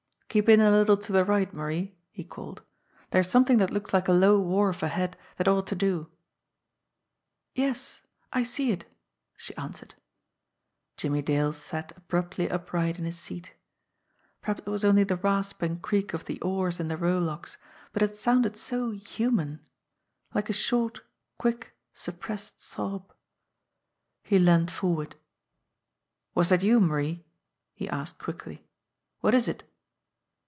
"Keep in a little to the right, Marie," he called. "There's something that looks like a low wharf ahead that ought to do." "Yes ; I see it," she answered. Jimmie Dale sat abruptly upright in his seat. Perhaps it was only the rasp and creak of the oars in the rowlocks, but it had sounded so human like a short, quick, suppressed sob. He leaned forward. "Was that you, Marie ?" he asked quickly. "What is it